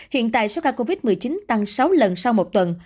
hiện tại số ca covid một mươi chín tăng sáu lần sau một tuần